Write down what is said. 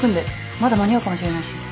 まだ間に合うかもしれないし。